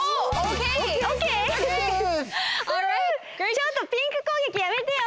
ちょっとピンクこうげきやめてよ！